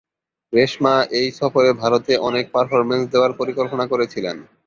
রেশমা এই সফরে ভারতে অনেক পারফরম্যান্স দেওয়ার পরিকল্পনা করেছিলেন।